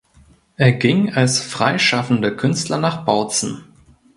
Er ging er als freischaffender Künstler nach Bautzen.